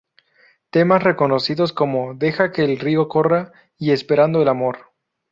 Temas reconocidos como "Deja que el río corra" y "Esperando el amor".